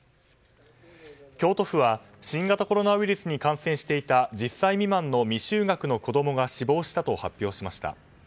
京都府は、新型コロナウイルスに感染していた１０歳未満の未就学の子供が死亡したと発表しました。